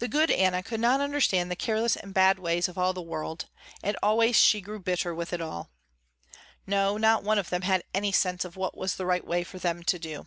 The good Anna could not understand the careless and bad ways of all the world and always she grew bitter with it all. No, not one of them had any sense of what was the right way for them to do.